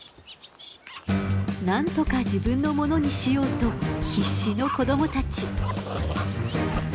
なんとか自分のものにしようと必死の子供たち。